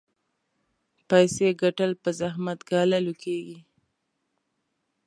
پيسې ګټل په زحمت ګاللو کېږي.